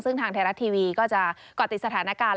ซึ่งทางไทยรัฐทีวีก็จะเกาะติดสถานการณ์